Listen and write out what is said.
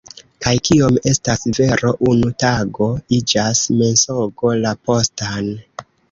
Kaj kio estas vero unu tagon iĝas mensogo la postan.